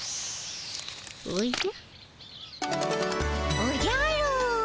おじゃ？